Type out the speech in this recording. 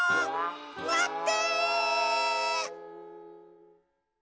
まって！